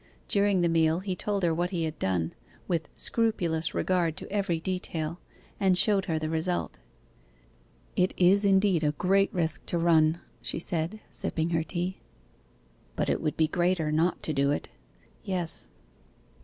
During the meal he told her what he had done, with scrupulous regard to every detail, and showed her the result. 'It is indeed a great risk to run,' she said, sipping her tea. 'But it would be a greater not to do it.' 'Yes.